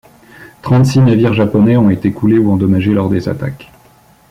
Trente-six navires japonais ont été coulés ou endommagés lors des attaques.